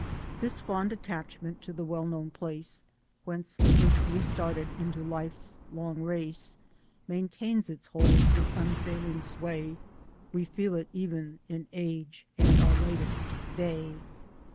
This fond attachment to the well known place Whence first we started into life's long race, Maintains its hold with unfailing sway, We feel it e'en in age and our latest day.